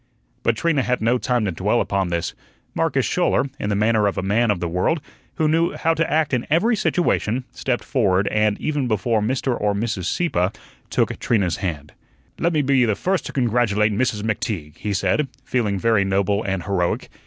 But Trina had no time to dwell upon this. Marcus Schouler, in the manner of a man of the world, who knew how to act in every situation, stepped forward and, even before Mr. or Mrs. Sieppe, took Trina's hand. "Let me be the first to congratulate Mrs. McTeague," he said, feeling very noble and heroic.